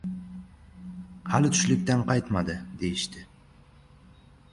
Hali tushlikdan qaytmadi, deyishdi.